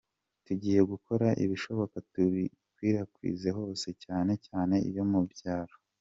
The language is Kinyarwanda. Tugiye gukora ibishoboka tubikwirakwize hose cyane cyane iyo mu byaro”.